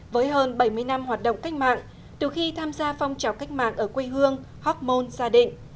với hơn bảy mươi năm hoạt động cách mạng từ khi tham gia phong trào cách mạng ở quê hương hoc mon gia đình